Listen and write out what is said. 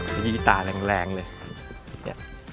มีอีตาแรงเลย